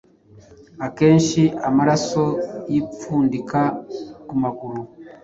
Akenshi amaraso yipfundika ku maguru.